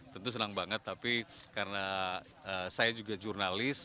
tentu senang banget tapi karena saya juga jurnalis